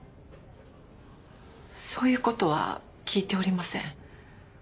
そういうことは聞いておりません。